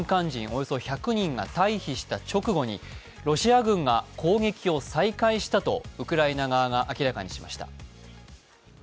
およそ１００人が退避した直後にロシア軍が攻撃を再開したとウクライナ側が明らかにしました。